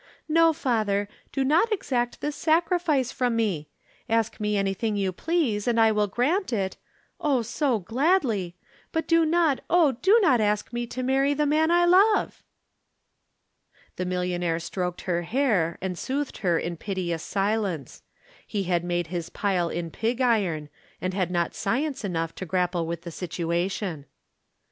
No, father, do not exact this sacrifice from me. Ask me anything you please, and I will grant it oh! so gladly but do not, oh, do not ask me to marry the man I love!" The millionaire stroked her hair, and soothed her in piteous silence. He had made his pile in pig iron, and had not science enough to grapple with the situation.